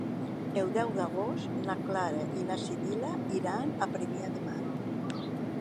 El deu d'agost na Clara i na Sibil·la iran a Premià de Mar.